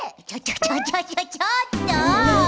ちょちょちょちょっと！